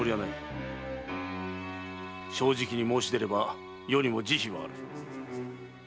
正直に申し出れば余にも慈悲はある。